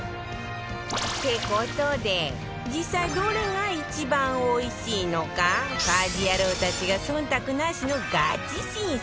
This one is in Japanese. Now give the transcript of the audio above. って事で実際どれが一番おいしいのか家事ヤロウたちが忖度なしのガチ審査！